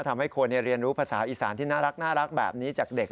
ทำให้คนเรียนรู้ภาษาอีสานที่น่ารักแบบนี้จากเด็ก